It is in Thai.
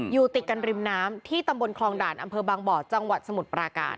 อยู่ติดกันริมน้ำที่ตำบลคลองด่านอำเภอบางบ่อจังหวัดสมุทรปราการ